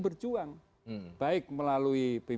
berjuang baik melalui